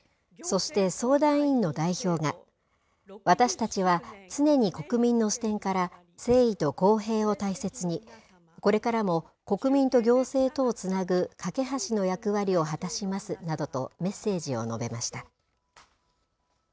そして、相談委員の代表が、私たちは常に国民の視点から誠意と公平を大切に、これからも国民と行政とをつなぐ架け橋の役割を果たしますなどとメッセージを述べました。